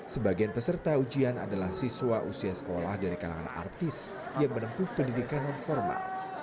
sebagian peserta ujian adalah siswa usia sekolah dari kalangan artis yang menempuh pendidikan non formal